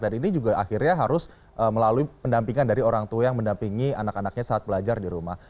dan ini juga akhirnya harus melalui pendampingan dari orang tua yang mendampingi anak anaknya saat belajar di rumah